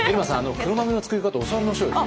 黒豆の作り方教わりましょうよ先生に。